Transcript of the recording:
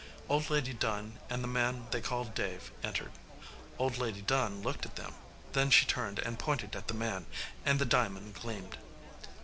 Old Lady Dunn and the man they called Dave entered. Old Lady Dunn looked at them; then she turned and pointed at the man, and the diamond gleamed.